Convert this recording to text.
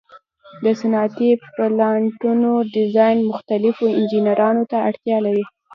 د صنعتي پلانټونو ډیزاین مختلفو انجینرانو ته اړتیا لري.